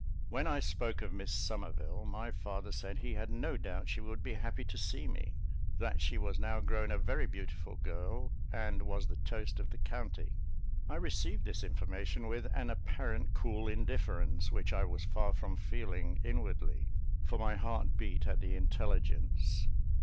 When I spoke of Miss Somerville, my father said he had no doubt she would be happy to see me that she was now grown a very beautiful girl, and was the toast of the county. I received this information with an apparent cool indifference which I was far from feeling inwardly, for my heart beat at the intelligence.